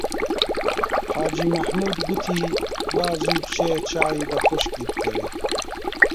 حاجی مەحموود گوتی: با زوو بچێ چاوی بە خوشکی بکەوێ